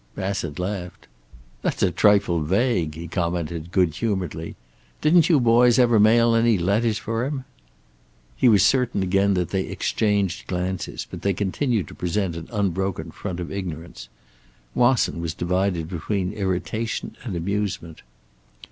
Bassett laughed. "That's a trifle vague," he commented good humoredly. "Didn't you boys ever mail any letters for him?" He was certain again that they exchanged glances, but they continued to present an unbroken front of ignorance. Wasson was divided between irritation and amusement.